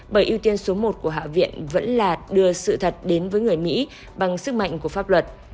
bởi ưu tiên số một của hạ viện vẫn là đưa sự thật đến với người mỹ bằng sức mạnh của pháp luật